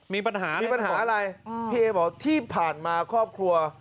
มีปัญหามีปัญหาอะไรพี่เอบอกที่ผ่านมาครอบครัว